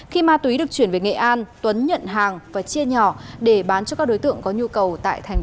khi ma túy được chuyển về nghệ an tuấn nhận hàng và chia nhỏ để bán cho các đối tượng có nhu cầu tại thành phố